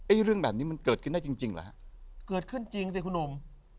เรื่องแบบนี้มันเกิดขึ้นได้จริงจริงเหรอฮะเกิดขึ้นจริงสิคุณหนุ่ม